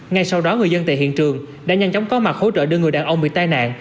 ngay sau đó người dân tại hiện trường đã nhanh chóng có mặt hỗ trợ đưa người đàn ông bị tai nạn